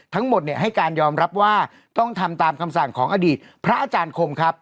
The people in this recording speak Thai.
ทั้งหมดให้การยอมรับว่าต้องทำตามคำสั่งของอดีตพระอาจารย์คงครับ